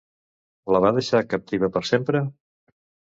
La va deixar captiva per sempre?